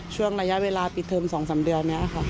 ช่วงระยะเวลาปิดเทอม๒๓เดือนนี้ค่ะ